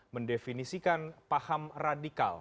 mendefinisikan paham radikal